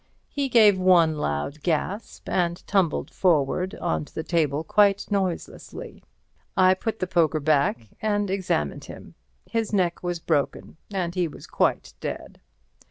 He gave one loud gasp, and tumbled forward on to the table quite noiselessly. I put the poker back, and examined him. His neck was broken, and he was quite dead.